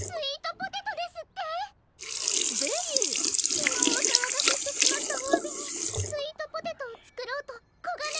きのうおさわがせしてしまったおわびにスイートポテトをつくろうとコガネイモをかってきましたの。